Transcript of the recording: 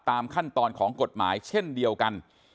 ตามขั้นตอนของกฎหมายเช่นเดียวกัน